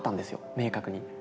明確に。